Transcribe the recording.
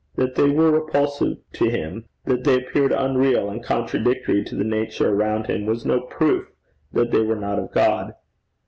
That they were repulsive to him, that they appeared unreal, and contradictory to the nature around him, was no proof that they were not of God.